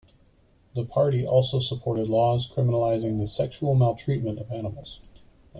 The party also supported laws criminalizing the "sexual maltreatment" of animals.